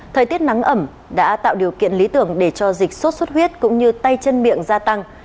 thời tiết nắng ẩm đã tạo điều kiện lý tưởng để cho dịch sốt xuất huyết cũng như tay chân miệng gia tăng